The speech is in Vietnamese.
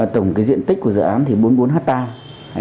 tổng diện tích của dự án thì bốn mươi bốn hectare